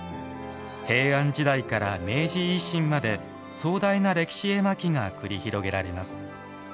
平安時代から明治維新まで壮大な歴史絵巻が繰り広げられます。